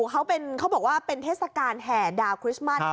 เขาบอกว่าเป็นเทศกาลแห่ดาวคริสต์มัส